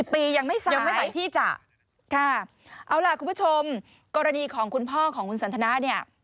๑๐ปียังไม่สายค่ะคุณผู้ชมกรณีของคุณพ่อคุณสันทนา